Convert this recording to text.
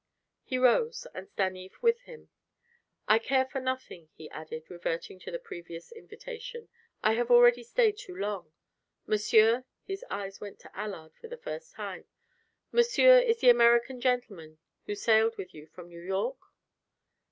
He rose, and Stanief with him. "I care for nothing," he added, reverting to the previous invitation. "I have already stayed too long. Monsieur," his eyes went to Allard for the first time, "monsieur is the American gentleman who sailed with you from New York?"